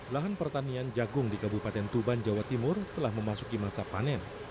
lahan pertanian jagung di kabupaten tuban jawa timur telah memasuki masa panen